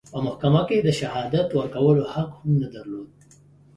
په محکمه کې د شهادت ورکولو حق هم نه درلود.